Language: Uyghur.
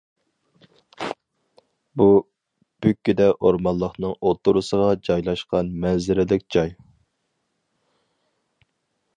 بۇ بۈككىدە ئورمانلىقنىڭ ئوتتۇرىسىغا جايلاشقان مەنزىرىلىك جاي.